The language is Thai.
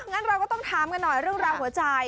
งั้นเราก็ต้องถามกันหน่อยเรื่องราวหัวใจ